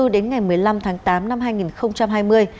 đến ngày một mươi năm tháng tám năm hai nghìn hai mươi